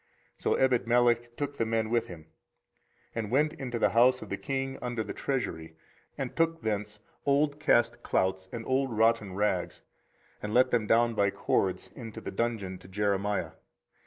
24:038:011 So Ebedmelech took the men with him, and went into the house of the king under the treasury, and took thence old cast clouts and old rotten rags, and let them down by cords into the dungeon to Jeremiah.